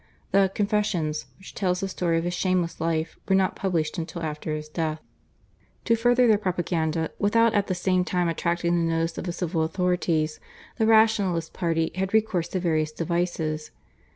The /Confessions/ which tell the story of his shameless life were not published until after his death. To further their propaganda without at the same time attracting the notice of the civil authorities the rationalist party had recourse to various devices.